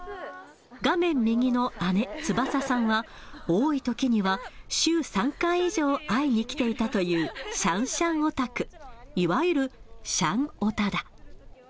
画面右の姉、つばささんは、多いときには週３回以上、会いに来ていたというシャンシャンオタク、いわゆるシャンオタだ。